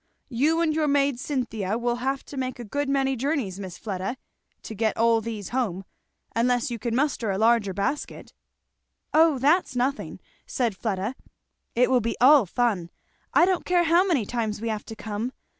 "You and your maid Cynthia will have to make a good many journeys, Miss Fleda, to get all these home, unless you can muster a larger basket." "O that's nothing," said Fleda. "It will be all fun. I don't care how many times we have to come.